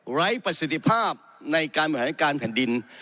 ประสิทธิภาพในการบริหารการแผ่นดิน